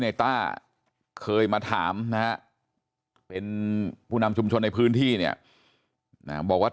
ต้าเคยมาถามนะฮะเป็นผู้นำชุมชนในพื้นที่เนี่ยบอกว่า